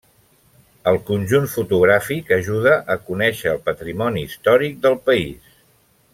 El conjunt fotogràfic ajuda a conèixer el patrimoni històric del país.